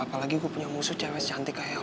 apalagi gue punya musuh cewek cantik kayak lo